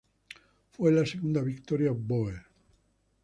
Fue la segunda victoria bóer.